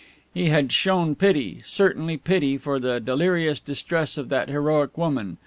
He had shown pity, certainly, pity for the delirious distress of that heroic woman.